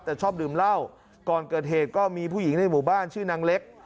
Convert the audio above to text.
แต่ชอบดื่มเหล้าก่อนเกิดเหตุก็มีผู้หญิงในหมู่บ้านชื่อนางเล็ก